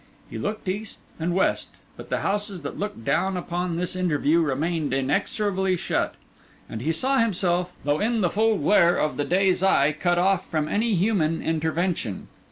He looked east and west; but the houses that looked down upon this interview remained inexorably shut; and he saw himself, though in the full glare of the day's eye, cut off from any human intervention.